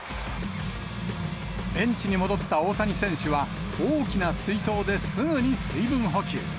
ベンチに戻った大谷選手は、大きな水筒ですぐに水分補給。